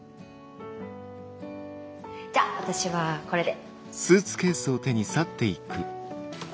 じゃあ私はこれで。